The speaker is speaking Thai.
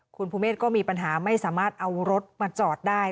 คุณภูเมฆก็มีปัญหาไม่สามารถเอารถมาจอดได้